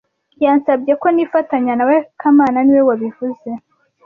Yansabye ko nifatanya na we kamana niwe wabivuze